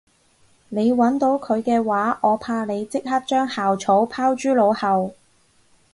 你搵到佢嘅話我怕你即刻將校草拋諸腦後